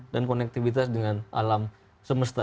dan konektivitas dengan alam semesta